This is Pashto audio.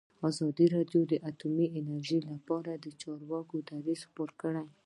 ازادي راډیو د اټومي انرژي لپاره د چارواکو دریځ خپور کړی.